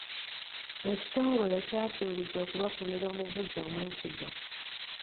Ekitongole kyasuubiza okubafunira omuvuzi omwesigwa.